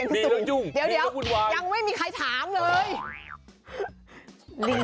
นี่ละจุ้งนี่ละบุดหวานยังไม่มีใครถามเลย